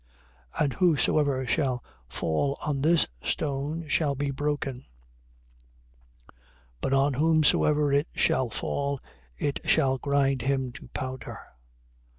21:44. And whosoever shall fall on this stone shall be broken: but on whomsoever it shall fall, it shall grind him to powder.